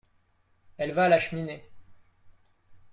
Elle va à la cheminée.